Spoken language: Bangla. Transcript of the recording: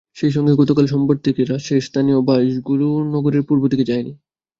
সেই সঙ্গে গতকাল সোমবার থেকে রাজশাহীর স্থানীয় বাসগুলো নগরের পূর্ব দিকে যায়নি।